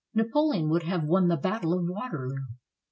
Napoleon would have won the battle of Waterloo.